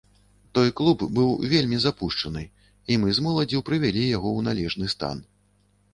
Той клуб быў вельмі запушчаны, і мы з моладдзю прывялі яго ў належны стан.